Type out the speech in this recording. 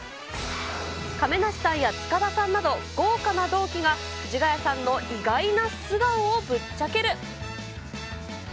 亀梨さんや塚田さんなど、豪華な同期が藤ヶ谷さんの意外な素顔をぶっちゃける。